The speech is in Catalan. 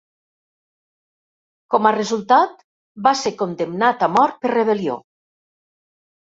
Com a resultat, va ser condemnat a mort per rebel·lió.